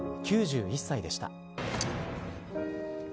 ９１歳でした。